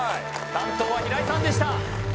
担当は平井さんでした